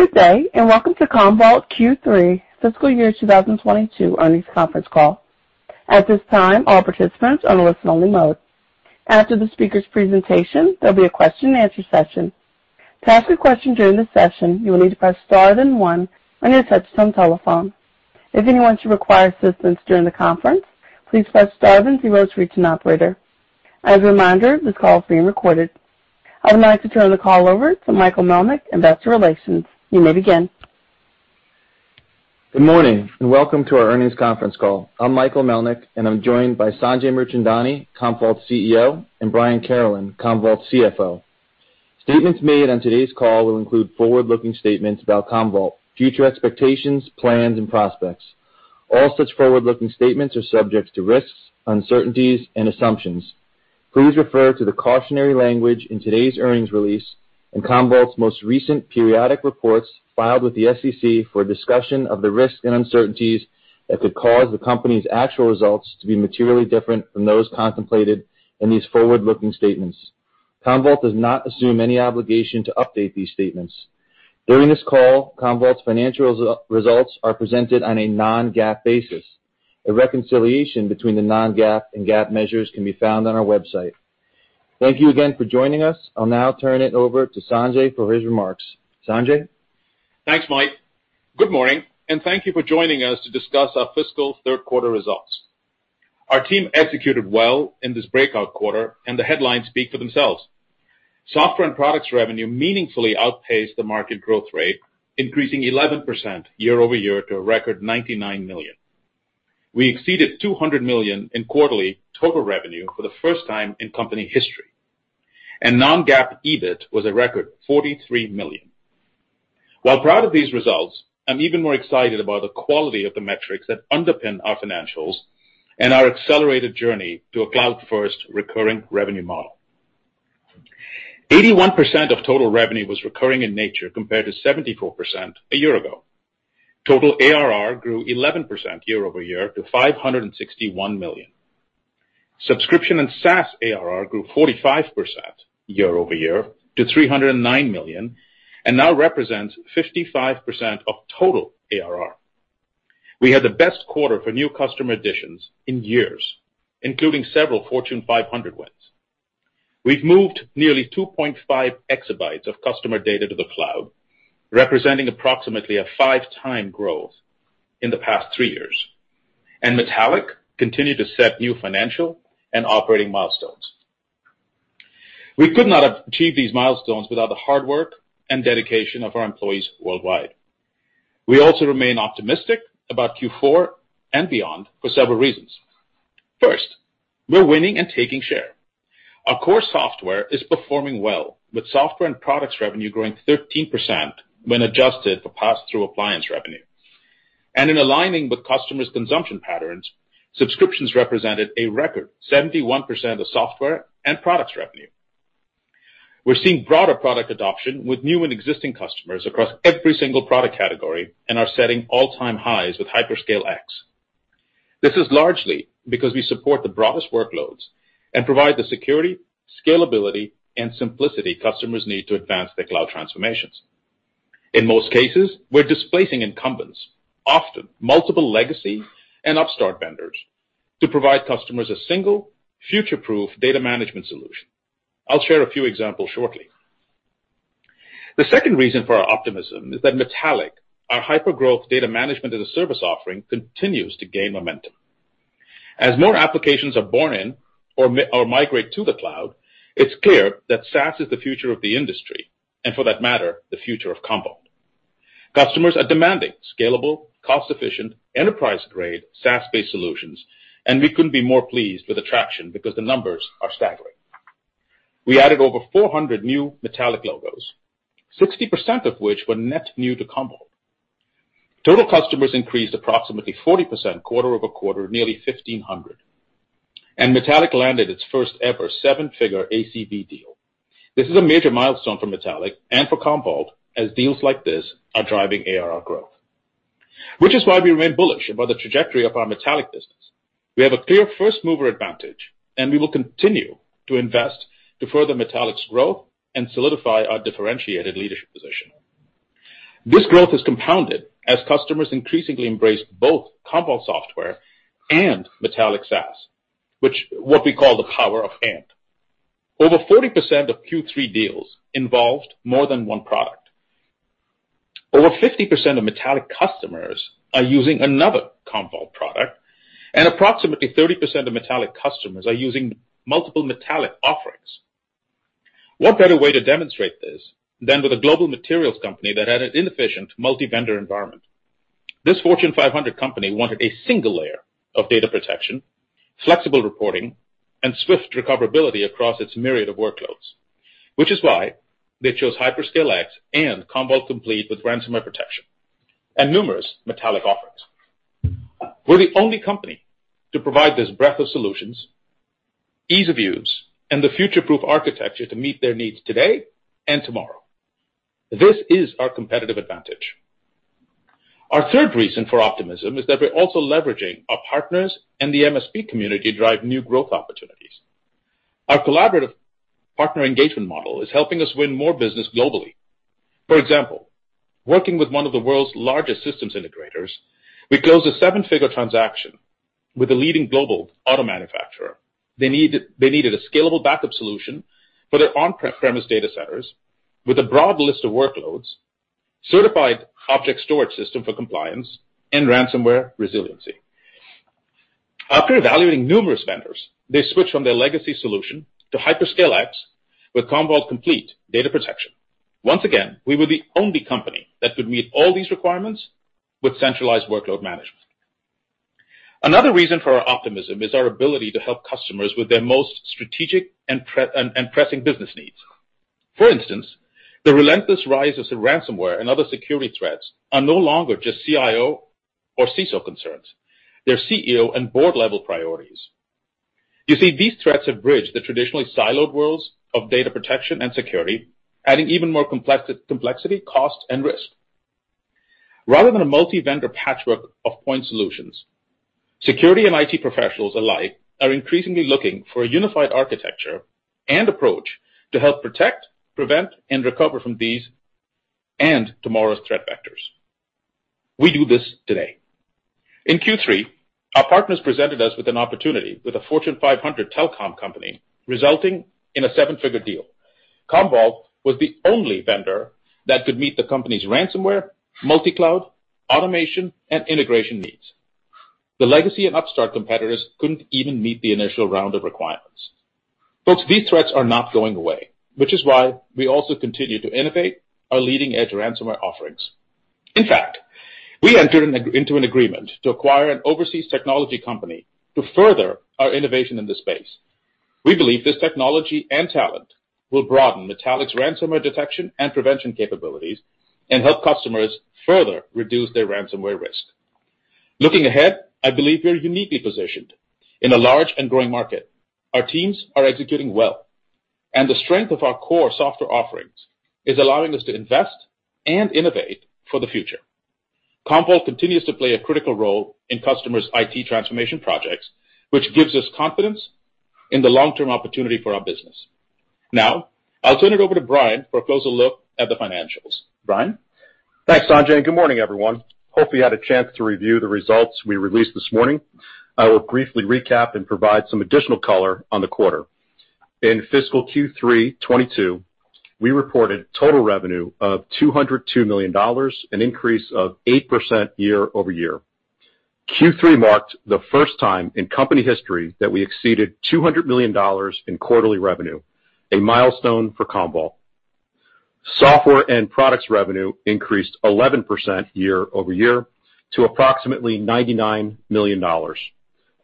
Good day, and welcome to Commvault Q3 Fiscal Year 2022 Earnings Conference Call. At this time, all participants are in listen only mode. After the speaker's presentation, there'll be a question and answer session. To ask a question during the session, you will need to press star then one on your touch tone telephone. If anyone should require assistance during the conference, please press star then zero to reach an operator. As a reminder, this call is being recorded. I would like to turn the call over to Michael Melnyk, Investor Relations. You may begin. Good morning, and welcome to our earnings conference call. I'm Michael Melnyk, and I'm joined by Sanjay Mirchandani, Commvault's CEO, and Brian Carolan, Commvault's CFO. Statements made on today's call will include forward-looking statements about Commvault, future expectations, plans, and prospects. All such forward-looking statements are subject to risks, uncertainties and assumptions. Please refer to the cautionary language in today's earnings release and Commvault's most recent periodic reports filed with the SEC for a discussion of the risks and uncertainties that could cause the company's actual results to be materially different from those contemplated in these forward-looking statements. Commvault does not assume any obligation to update these statements. During this call, Commvault's financial results are presented on a non-GAAP basis. A reconciliation between the non-GAAP and GAAP measures can be found on our website. Thank you again for joining us. I'll now turn it over to Sanjay for his remarks. Sanjay? Thanks, Mike. Good morning, and thank you for joining us to discuss our fiscal third quarter results. Our team executed well in this breakout quarter and the headlines speak for themselves. Software and products revenue meaningfully outpaced the market growth rate, increasing 11% year-over-year to a record $99 million. We exceeded $200 million in quarterly total revenue for the first time in company history. non-GAAP EBIT was a record $43 million. While proud of these results, I'm even more excited about the quality of the metrics that underpin our financials and our accelerated journey to a cloud-first recurring revenue model. 81% of total revenue was recurring in nature compared to 74% a year ago. Total ARR grew 11% year-over-year to $561 million. Subscription and SaaS ARR grew 45% year-over-year to $309 million, and now represents 55% of total ARR. We had the best quarter for new customer additions in years, including several Fortune 500 wins. We've moved nearly 2.5 exabytes of customer data to the cloud, representing approximately a five-time growth in the past three years. Metallic continued to set new financial and operating milestones. We could not have achieved these milestones without the hard work and dedication of our employees worldwide. We also remain optimistic about Q4 and beyond for several reasons. First, we're winning and taking share. Our core software is performing well with software and products revenue growing 13% when adjusted for pass-through appliance revenue. In aligning with customers' consumption patterns, subscriptions represented a record 71% of software and products revenue. We're seeing broader product adoption with new and existing customers across every single product category and are setting all-time highs with HyperScale X. This is largely because we support the broadest workloads and provide the security, scalability, and simplicity customers need to advance their cloud transformations. In most cases, we're displacing incumbents, often multiple legacy and upstart vendors, to provide customers a single future-proof data management solution. I'll share a few examples shortly. The second reason for our optimism is that Metallic, our hyper-growth data management as a service offering, continues to gain momentum. As more applications are born in or migrate to the cloud, it's clear that SaaS is the future of the industry, and for that matter, the future of Commvault. Customers are demanding scalable, cost-efficient, enterprise-grade SaaS-based solutions, and we couldn't be more pleased with the traction because the numbers are staggering. We added over 400 new Metallic logos, 60% of which were net new to Commvault. Total customers increased approximately 40% quarter over quarter, nearly 1,500, and Metallic landed its first ever seven-figure ACV deal. This is a major milestone for Metallic and for Commvault as deals like this are driving ARR growth, which is why we remain bullish about the trajectory of our Metallic business. We have a clear first-mover advantage, and we will continue to invest to further Metallic's growth and solidify our differentiated leadership position. This growth is compounded as customers increasingly embrace both Commvault software and Metallic SaaS, which is what we call the power of and. Over 40% of Q3 deals involved more than one product. Over 50% of Metallic customers are using another Commvault product, and approximately 30% of Metallic customers are using multiple Metallic offerings. What better way to demonstrate this than with a global materials company that had an inefficient multi-vendor environment? This Fortune 500 company wanted a single layer of data protection, flexible reporting, and swift recoverability across its myriad of workloads, which is why they chose HyperScale X and Commvault Complete with ransomware protection and numerous Metallic offerings. We're the only company to provide this breadth of solutions, ease of use, and the future-proof architecture to meet their needs today and tomorrow. This is our competitive advantage. Our third reason for optimism is that we're also leveraging our partners and the MSP community to drive new growth opportunities. Our collaborative partner engagement model is helping us win more business globally. For example, working with one of the world's largest systems integrators, we closed a 7-figure transaction with a leading global auto manufacturer. They needed a scalable backup solution for their on-premise data centers with a broad list of workloads, certified object storage system for compliance and ransomware resiliency. After evaluating numerous vendors, they switched from their legacy solution to HyperScale X with Commvault Complete Data Protection. Once again, we were the only company that could meet all these requirements with centralized workload management. Another reason for our optimism is our ability to help customers with their most strategic and pressing business needs. For instance, the relentless rises in ransomware and other security threats are no longer just CIO or CISO concerns, they're CEO and board-level priorities. You see, these threats have bridged the traditionally siloed worlds of data protection and security, adding even more complexity, cost, and risk. Rather than a multi-vendor patchwork of point solutions, security and IT professionals alike are increasingly looking for a unified architecture and approach to help protect, prevent, and recover from these and tomorrow's threat vectors. We do this today. In Q3, our partners presented us with an opportunity with a Fortune 500 telecom company, resulting in a seven-figure deal. Commvault was the only vendor that could meet the company's ransomware, multi-cloud, automation, and integration needs. The legacy and upstart competitors couldn't even meet the initial round of requirements. Folks, these threats are not going away, which is why we also continue to innovate our leading-edge ransomware offerings. In fact, we entered into an agreement to acquire an overseas technology company to further our innovation in this space. We believe this technology and talent will broaden Metallic's ransomware detection and prevention capabilities and help customers further reduce their ransomware risk. Looking ahead, I believe we are uniquely positioned in a large and growing market. Our teams are executing well, and the strength of our core software offerings is allowing us to invest and innovate for the future. Commvault continues to play a critical role in customers' IT transformation projects, which gives us confidence in the long-term opportunity for our business. Now, I'll turn it over to Brian for a closer look at the financials. Brian? Thanks, Sanjay, and good morning, everyone. Hope you had a chance to review the results we released this morning. I will briefly recap and provide some additional color on the quarter. In fiscal Q3 2022, we reported total revenue of $202 million, an increase of 8% year-over-year. Q3 marked the first time in company history that we exceeded $200 million in quarterly revenue, a milestone for Commvault. Software and products revenue increased 11% year-over-year to approximately $99 million.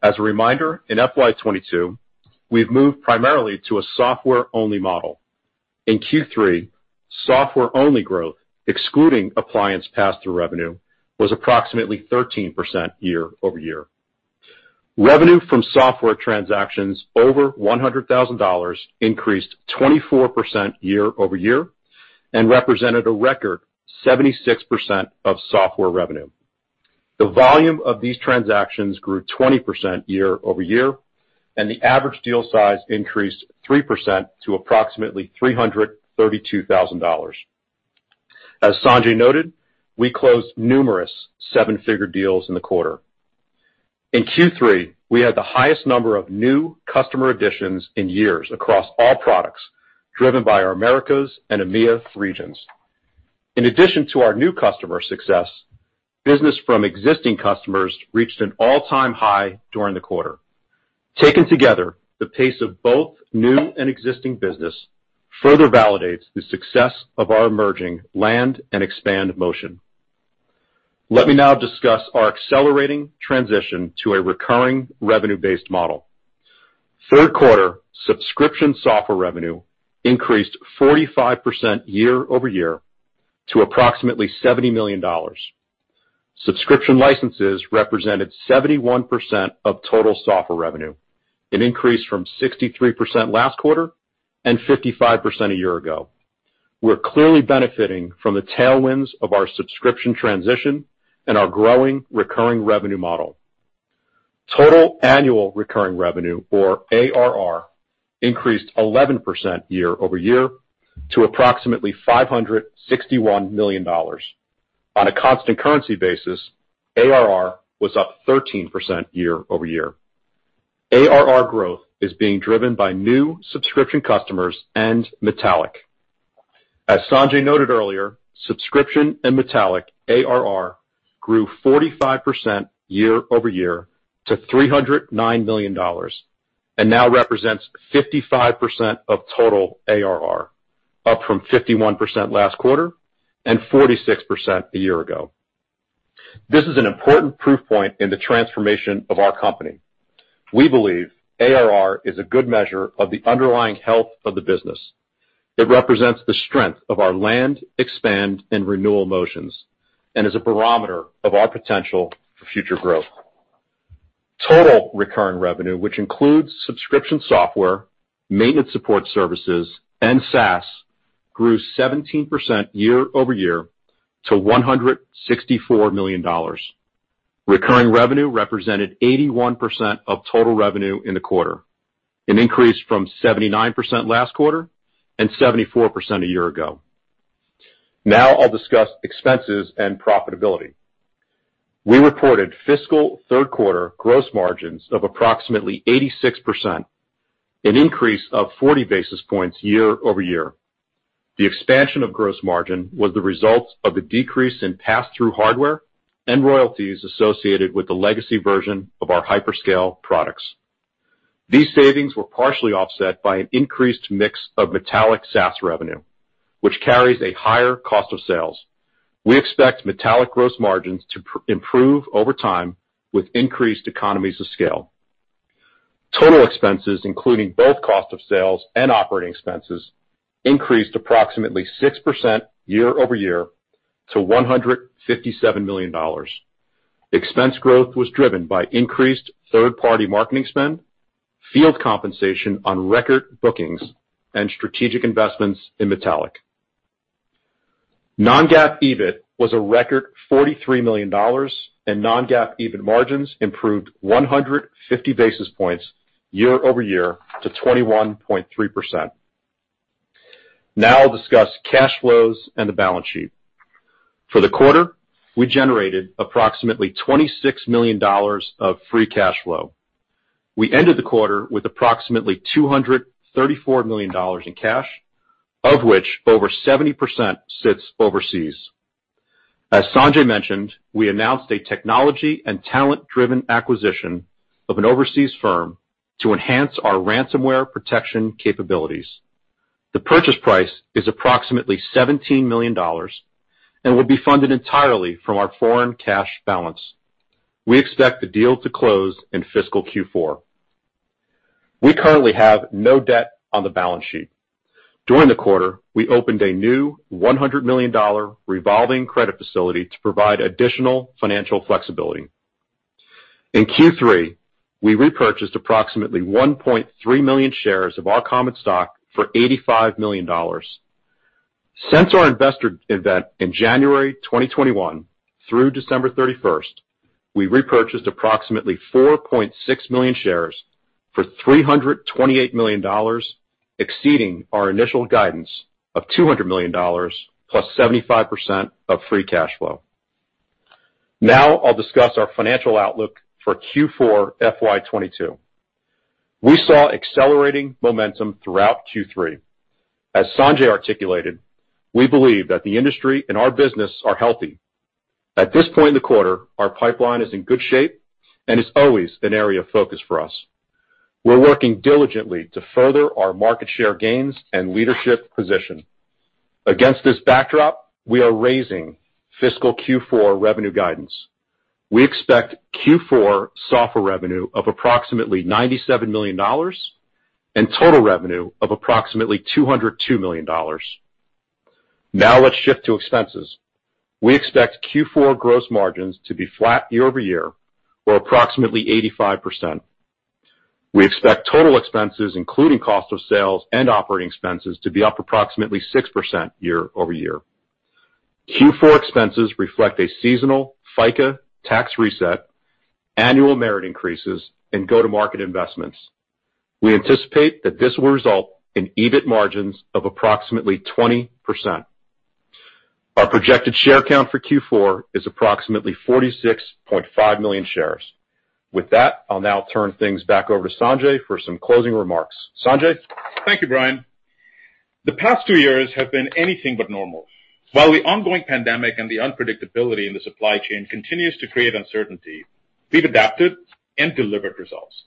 As a reminder, in FY 2022, we've moved primarily to a software-only model. In Q3, software-only growth, excluding appliance pass-through revenue, was approximately 13% year-over-year. Revenue from software transactions over $100,000 increased 24% year-over-year and represented a record 76% of software revenue. The volume of these transactions grew 20% year-over-year, and the average deal size increased 3% to approximately $332,000. As Sanjay noted, we closed numerous seven-figure deals in the quarter. In Q3, we had the highest number of new customer additions in years across all products, driven by our Americas and EMEA regions. In addition to our new customer success, business from existing customers reached an all-time high during the quarter. Taken together, the pace of both new and existing business further validates the success of our emerging land and expand motion. Let me now discuss our accelerating transition to a recurring revenue-based model. Third quarter subscription software revenue increased 45% year-over-year to approximately $70 million. Subscription licenses represented 71% of total software revenue, an increase from 63% last quarter and 55% a year ago. We're clearly benefiting from the tailwinds of our subscription transition and our growing recurring revenue model. Total annual recurring revenue, or ARR, increased 11% year-over-year to approximately $561 million. On a constant currency basis, ARR was up 13% year-over-year. ARR growth is being driven by new subscription customers and Metallic. As Sanjay noted earlier, subscription and Metallic ARR grew 45% year-over-year to $309 million, and now represents 55% of total ARR, up from 51% last quarter and 46% a year ago. This is an important proof point in the transformation of our company. We believe ARR is a good measure of the underlying health of the business. It represents the strength of our land, expand, and renewal motions, and is a barometer of our potential for future growth. Total recurring revenue, which includes subscription software, maintenance support services, and SaaS, grew 17% year-over-year to $164 million. Recurring revenue represented 81% of total revenue in the quarter, an increase from 79% last quarter and 74% a year ago. Now I'll discuss expenses and profitability. We reported fiscal third quarter gross margins of approximately 86%, an increase of 40 basis points year-over-year. The expansion of gross margin was the result of the decrease in passthrough hardware and royalties associated with the legacy version of our HyperScale products. These savings were partially offset by an increased mix of Metallic SaaS revenue, which carries a higher cost of sales. We expect Metallic gross margins to improve over time with increased economies of scale. Total expenses, including both cost of sales and operating expenses, increased approximately 6% year-over-year to $157 million. Expense growth was driven by increased third-party marketing spend, field compensation on record bookings, and strategic investments in Metallic. Non-GAAP EBIT was a record $43 million, and non-GAAP EBIT margins improved 150 basis points year-over-year to 21.3%. Now I'll discuss cash flows and the balance sheet. For the quarter, we generated approximately $26 million of free cash flow. We ended the quarter with approximately $234 million in cash, of which over 70% sits overseas. As Sanjay mentioned, we announced a technology and talent-driven acquisition of an overseas firm to enhance our ransomware protection capabilities. The purchase price is approximately $17 million and will be funded entirely from our foreign cash balance. We expect the deal to close in fiscal Q4. We currently have no debt on the balance sheet. During the quarter, we opened a new $100 million revolving credit facility to provide additional financial flexibility. In Q3, we repurchased approximately 1.3 million shares of our common stock for $85 million. Since our investor event in January 2021 through December 31st, we repurchased approximately 4.6 million shares for $328 million, exceeding our initial guidance of $200 million plus 75% of free cash flow. Now I'll discuss our financial outlook for Q4 FY 2022. We saw accelerating momentum throughout Q3. As Sanjay articulated, we believe that the industry and our business are healthy. At this point in the quarter, our pipeline is in good shape and is always an area of focus for us. We're working diligently to further our market share gains and leadership position. Against this backdrop, we are raising fiscal Q4 revenue guidance. We expect Q4 software revenue of approximately $97 million and total revenue of approximately $202 million. Now let's shift to expenses. We expect Q4 gross margins to be flat year-over-year or approximately 85%. We expect total expenses, including cost of sales and operating expenses, to be up approximately 6% year-over-year. Q4 expenses reflect a seasonal FICA tax reset, annual merit increases, and go-to-market investments. We anticipate that this will result in EBIT margins of approximately 20%. Our projected share count for Q4 is approximately 46.5 million shares. With that, I'll now turn things back over to Sanjay for some closing remarks. Sanjay? Thank you, Brian. The past two years have been anything but normal. While the ongoing pandemic and the unpredictability in the supply chain continues to create uncertainty, we've adapted and delivered results.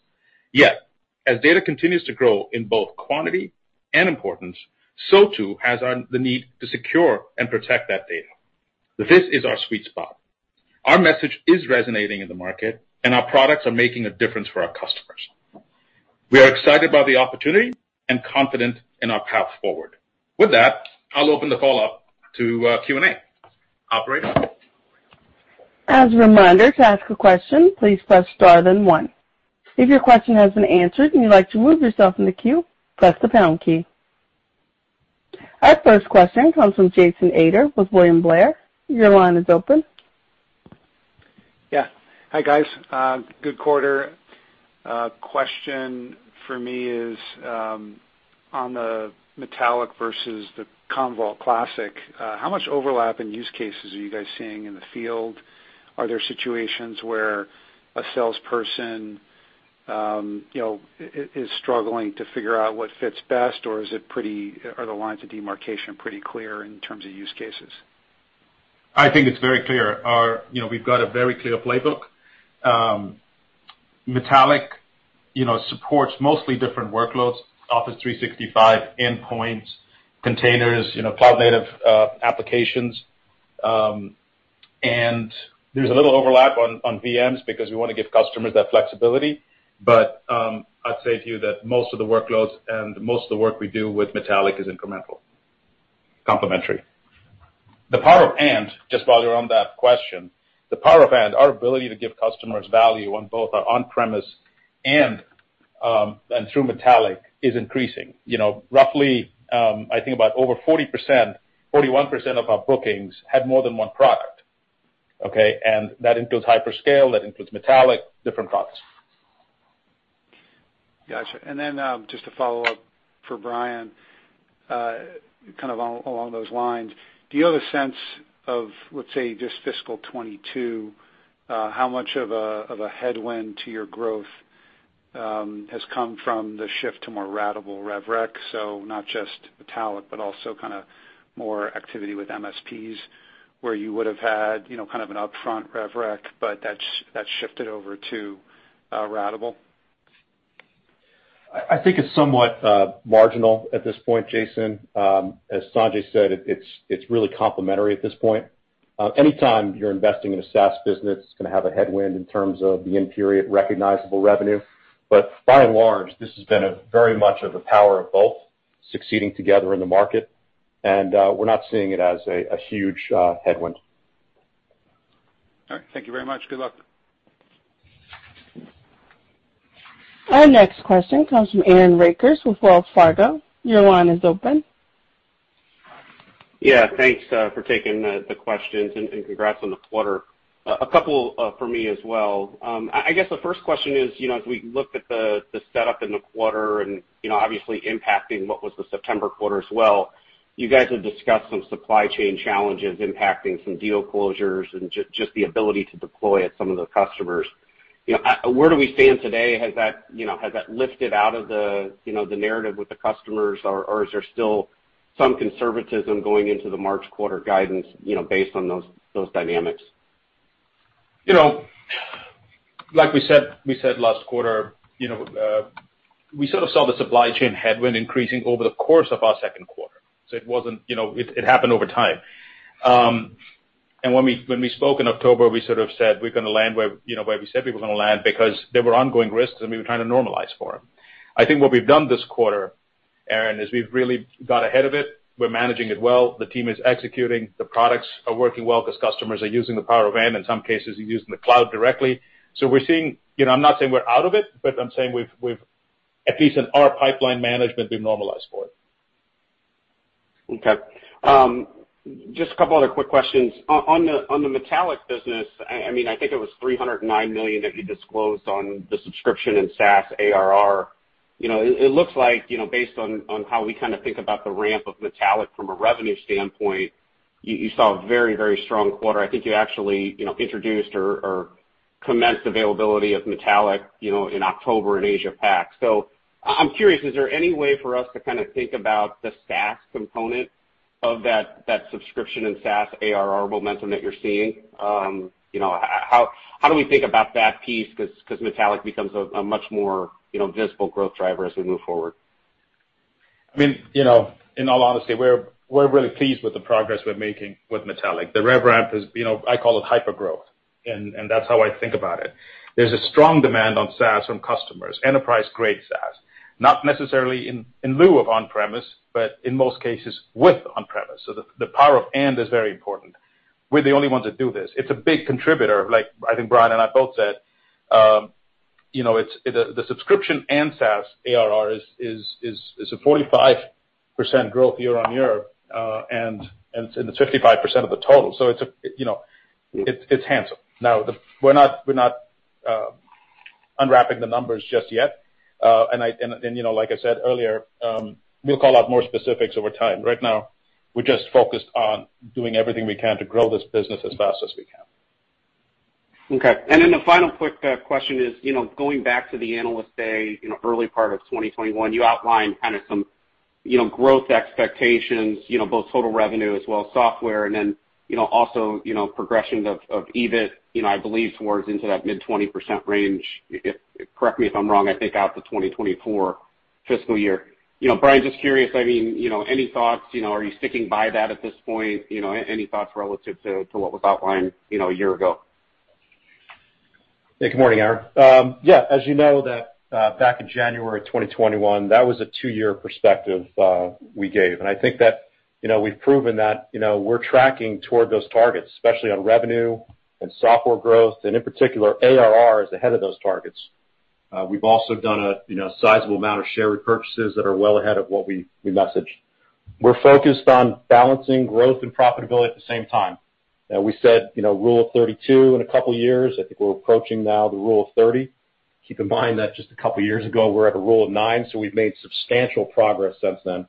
Yet, as data continues to grow in both quantity and importance, so too has the need to secure and protect that data. This is our sweet spot. Our message is resonating in the market, and our products are making a difference for our customers. We are excited about the opportunity and confident in our path forward. With that, I'll open the call up to Q&A. Operator? As a reminder, to ask a question, please press star then one. If your question has been answered and you'd like to move yourself in the queue, press the pound key. Our first question comes from Jason Ader with William Blair. Your line is open. Yeah. Hi, guys. Good quarter. Question for me is on the Metallic versus the Commvault Classic, how much overlap in use cases are you guys seeing in the field? Are there situations where a salesperson is struggling to figure out what fits best, or are the lines of demarcation pretty clear in terms of use cases? I think it's very clear. Our you know, we've got a very clear playbook. Metallic, you know, supports mostly different workloads, Microsoft 365 endpoints, containers, you know, cloud native, applications. And there's a little overlap on VMs because we wanna give customers that flexibility. But I'd say to you that most of the workloads and most of the work we do with Metallic is incremental. Complementary. The power of and, just while you're on that question, the power of and, our ability to give customers value on both our on-premise and through Metallic is increasing. You know, roughly, I think about over 40%, 41% of our bookings had more than one product, okay? That includes HyperScale, that includes Metallic, different products. Gotcha. Just to follow up for Brian, kind of along those lines, do you have a sense of, let's say, just fiscal 2022, how much of a headwind to your growth has come from the shift to more ratable rev rec? So not just Metallic, but also kinda more activity with MSPs, where you would've had, you know, kind of an upfront rev rec, but that shifted over to ratable. I think it's somewhat marginal at this point, Jason. As Sanjay said, it's really complementary at this point. Anytime you're investing in a SaaS business, it's gonna have a headwind in terms of the in-period recognizable revenue. By and large, this has been very much the power of both succeeding together in the market, and we're not seeing it as a huge headwind. All right. Thank you very much. Good luck. Our next question comes from Aaron Rakers with Wells Fargo. Your line is open. Yeah. Thanks for taking the questions and congrats on the quarter. A couple for me as well. I guess the first question is, you know, as we look at the setup in the quarter and, you know, obviously impacting what was the September quarter as well, you guys have discussed some supply chain challenges impacting some deal closures and just the ability to deploy at some of the customers. You know, where do we stand today? Has that lifted out of the narrative with the customers or is there still some conservatism going into the March quarter guidance, you know, based on those dynamics? You know, like we said last quarter, you know, we sort of saw the supply chain headwind increasing over the course of our second quarter. It wasn't. It happened over time. When we spoke in October, we sort of said, we're gonna land where we said we were gonna land because there were ongoing risks, and we were trying to normalize for them. I think what we've done this quarter, Aaron, is we've really got ahead of it. We're managing it well. The team is executing. The products are working well 'cause customers are using the power of and, in some cases, using the cloud directly. We're seeing. I'm not saying we're out of it, but I'm saying we've at least in our pipeline management, we've normalized for it. Okay. Just a couple other quick questions. On the Metallic business, I mean, I think it was $309 million that you disclosed on the subscription and SaaS ARR. You know, it looks like, you know, based on how we kinda think about the ramp of Metallic from a revenue standpoint, you saw a very strong quarter. I think you actually, you know, introduced or commenced availability of Metallic, you know, in October at AsiaPac. So I'm curious, is there any way for us to kinda think about the SaaS component of that subscription and SaaS ARR momentum that you're seeing? You know, how do we think about that piece? 'Cause Metallic becomes a much more, you know, visible growth driver as we move forward. I mean, you know, in all honesty, we're really pleased with the progress we're making with Metallic. The rev ramp is, you know, I call it hypergrowth and that's how I think about it. There's a strong demand on SaaS from customers, enterprise-grade SaaS, not necessarily in lieu of on-premise, but in most cases, with on-premise. So the power of and is very important. We're the only ones that do this. It's a big contributor, like I think Brian and I both said. You know, it's the subscription and SaaS ARR is a 45% growth year-over-year, and it's 55% of the total. So it's a, you know, it's handsome. Now, we're not unwrapping the numbers just yet. And I... you know, like I said earlier, we'll call out more specifics over time. Right now, we're just focused on doing everything we can to grow this business as fast as we can. Okay. The final quick question is, you know, going back to the Analyst Day in early part of 2021, you outlined kinda some, you know, growth expectations, you know, both total revenue as well as software and then, you know, also, you know, progressions of EBIT, you know, I believe towards into that mid-20% range, correct me if I'm wrong, I think out to 2024 fiscal year. You know, Brian, just curious, I mean, you know, any thoughts? You know, are you sticking by that at this point? You know, any thoughts relative to what was outlined, you know, a year ago? Yeah. Good morning, Aaron. Yeah, as you know that, back in January of 2021, that was a two-year perspective, we gave. I think that, you know, we've proven that, you know, we're tracking toward those targets, especially on revenue and software growth, and in particular, ARR is ahead of those targets. We've also done a, you know, sizable amount of share repurchases that are well ahead of what we messaged. We're focused on balancing growth and profitability at the same time. We said, you know, rule of 32 in a couple years. I think we're approaching now the rule of 30. Keep in mind that just a couple years ago, we were at the rule of 9, so we've made substantial progress since then,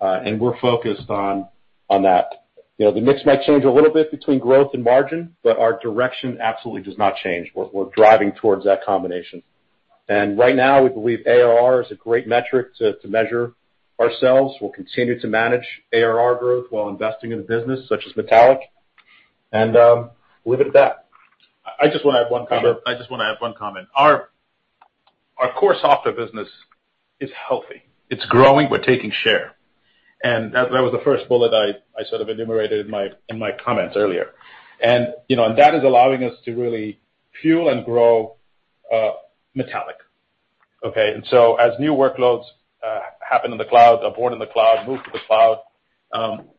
and we're focused on that. You know, the mix might change a little bit between growth and margin, but our direction absolutely does not change. We're driving towards that combination. Right now we believe ARR is a great metric to measure ourselves. We'll continue to manage ARR growth while investing in a business such as Metallic and leave it at that. I just wanna add one comment. Sure. I just wanna add one comment. Our core software business is healthy. It's growing. We're taking share. That was the first bullet I sort of enumerated in my comments earlier. You know, that is allowing us to really fuel and grow Metallic. Okay. As new workloads happen in the cloud, are born in the cloud, move to the cloud,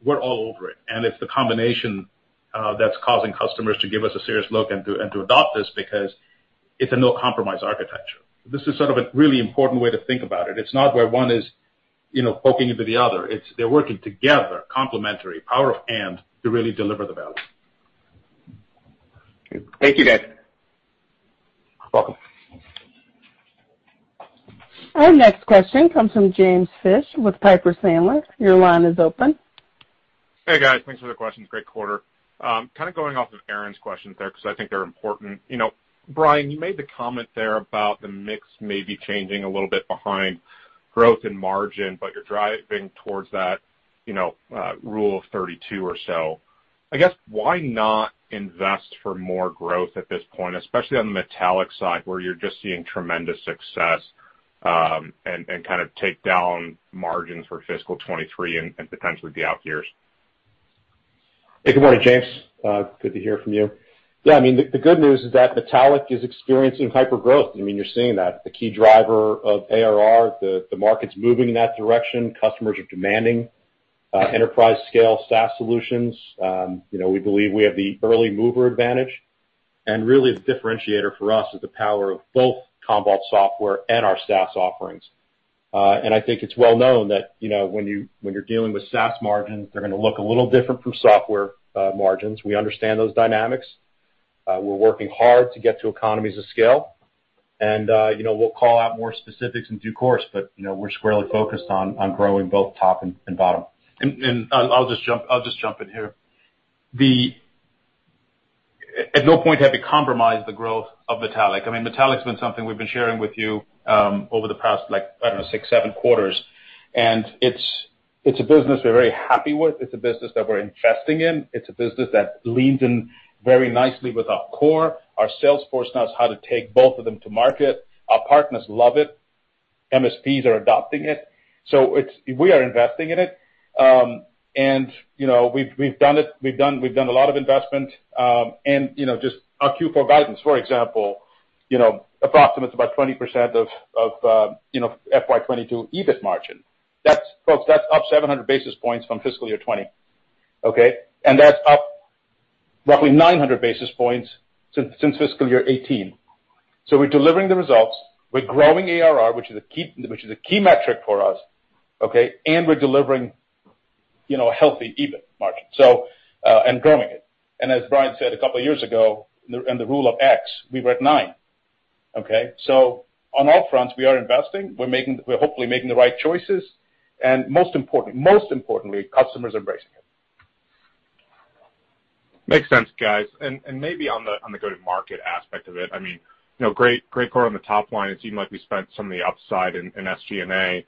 we're all over it. It's the combination that's causing customers to give us a serious look and to adopt this because it's a no-compromise architecture. This is sort of a really important way to think about it. It's not where one is, you know, poking into the other. It's they're working together, complementary, power of and to really deliver the value. Thank you, guys. Welcome. Our next question comes from James Fish with Piper Sandler. Your line is open. Hey, guys. Thanks for the questions. Great quarter. Kind of going off of Aaron's questions there 'cause I think they're important. You know, Brian, you made the comment there about the mix may be changing a little bit behind growth and margin, but you're driving towards that, you know, rule of 32 or so. I guess, why not invest for more growth at this point, especially on the Metallic side, where you're just seeing tremendous success, and kind of take down margins for fiscal 2023 and potentially the out years? Hey, good morning, James. Good to hear from you. Yeah, I mean, the good news is that Metallic is experiencing hypergrowth. I mean, you're seeing that. The key driver of ARR, the market's moving in that direction. Customers are demanding enterprise-scale SaaS solutions. You know, we believe we have the early mover advantage. Really the differentiator for us is the power of both Commvault software and our SaaS offerings. I think it's well known that, you know, when you're dealing with SaaS margins, they're gonna look a little different from software margins. We understand those dynamics. We're working hard to get to economies of scale. You know, we'll call out more specifics in due course, but you know, we're squarely focused on growing both top and bottom. I'll just jump in here. At no point had we compromised the growth of Metallic. I mean, Metallic's been something we've been sharing with you over the past, like, I don't know, six, seven quarters. It's a business we're very happy with. It's a business that we're investing in. It's a business that leans in very nicely with our core. Our sales force knows how to take both of them to market. Our partners love it. MSPs are adopting it. It's. We are investing in it. You know, we've done it. We've done a lot of investment. You know, just our Q4 guidance, for example, you know, approximate to about 20% of FY 2022 EBIT margin. Folks, that's up 700 basis points from fiscal year 2020, okay? That's up roughly 900 basis points since fiscal year 2018. We're delivering the results, we're growing ARR, which is a key metric for us, okay? We're delivering, you know, a healthy EBIT margin, growing it. As Brian said a couple of years ago, the rule of X, we were at 9, okay? On all fronts, we are investing. We're hopefully making the right choices. Most importantly, customers are embracing it. Makes sense, guys. Maybe on the go-to-market aspect of it, I mean, you know, great quarter on the top line. It seemed like we spent some of the upside in SG&A.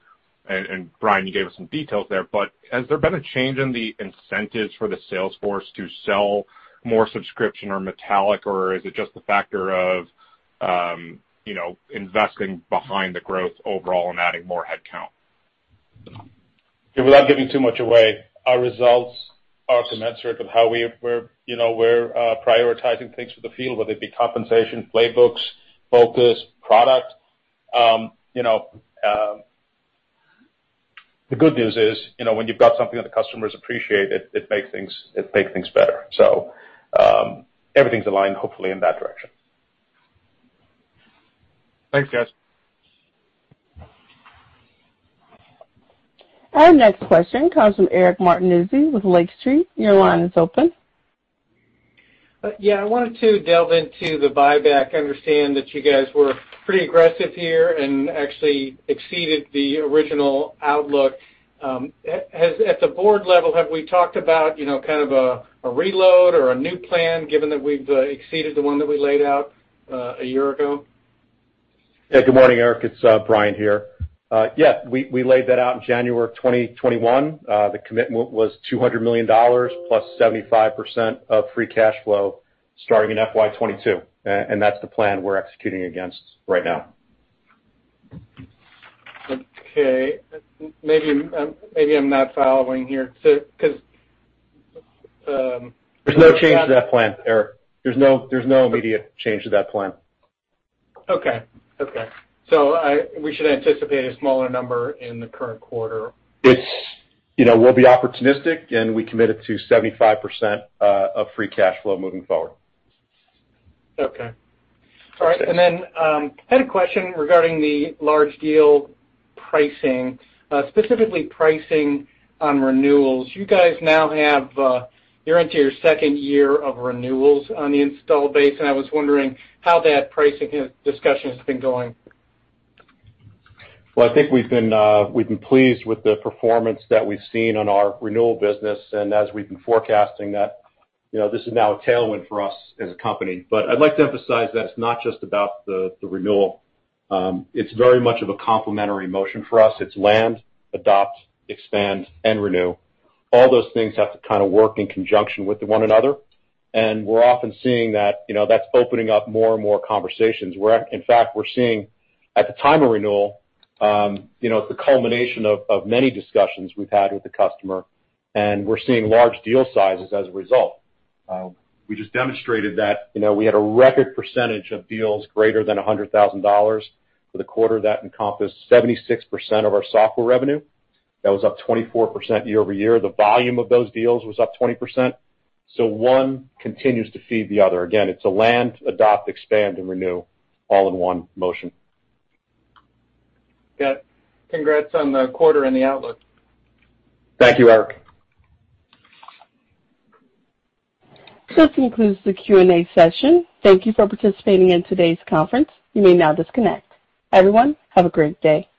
Brian, you gave us some details there. Has there been a change in the incentives for the sales force to sell more subscription or Metallic, or is it just a factor of, you know, investing behind the growth overall and adding more headcount? Yeah, without giving too much away, our results are commensurate with how we're prioritizing things for the field, whether it be compensation, playbooks, focus, product. You know, the good news is, you know, when you've got something that the customers appreciate, it makes things better. Everything's aligned hopefully in that direction. Thanks, guys. Our next question comes from Eric Martinuzzi with Lake Street. Your line is open. Yeah, I wanted to delve into the buyback. I understand that you guys were pretty aggressive here and actually exceeded the original outlook. At the board level, have we talked about, you know, kind of a reload or a new plan given that we've exceeded the one that we laid out a year ago? Yeah. Good morning, Eric. It's Brian here. Yeah, we laid that out in January of 2021. The commitment was $200 million plus 75% of free cash flow starting in FY 2022. And that's the plan we're executing against right now. Okay. Maybe I'm not following here. 'Cause There's no change to that plan, Eric. There's no immediate change to that plan. We should anticipate a smaller number in the current quarter. You know, we'll be opportunistic, and we committed to 75% of free cash flow moving forward. Okay. All right. I had a question regarding the large deal pricing, specifically pricing on renewals. You guys now have, you're into your second year of renewals on the install base, and I was wondering how that pricing discussion has been going. Well, I think we've been pleased with the performance that we've seen on our renewal business and as we've been forecasting that, you know, this is now a tailwind for us as a company. I'd like to emphasize that it's not just about the renewal. It's very much of a complementary motion for us. It's land, adopt, expand, and renew. All those things have to kind of work in conjunction with one another, and we're often seeing that, you know, that's opening up more and more conversations, where in fact, we're seeing at the time of renewal, you know, it's a culmination of many discussions we've had with the customer, and we're seeing large deal sizes as a result. We just demonstrated that, you know, we had a record percentage of deals greater than $100,000 for the quarter that encompassed 76% of our software revenue. That was up 24% year-over-year. The volume of those deals was up 20%. One continues to feed the other. Again, it's a land, adopt, expand, and renew all in one motion. Yeah. Congrats on the quarter and the outlook. Thank you, Eric. This concludes the Q&A session. Thank you for participating in today's conference. You may now disconnect. Everyone, have a great day.